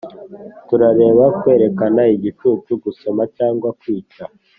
turareba kwerekana igicucu gusomana cyangwa kwica